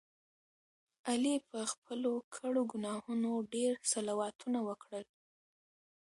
علي په خپلو کړو ګناهونو ډېر صلواتونه وکړل.